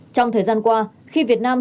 trong thời gian qua khi việt nam